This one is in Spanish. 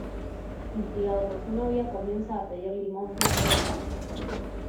Instigado por su novia, comienza a pedir limosna por las calles.